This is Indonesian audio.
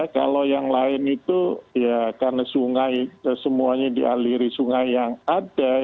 kalau yang lain itu ya karena sungai semuanya dialiri sungai yang ada